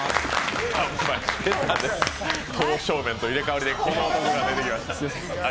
刀削麺と入れ代わりでこの男が出てきました。